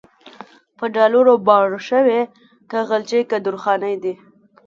په ډالرو باړه شوی، که غلجی که درانی دی